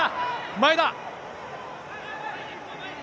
前田。